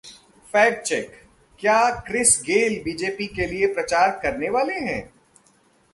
Fact check क्या Chris Gayle BJP के लिए प्रचार करने वाले हैं?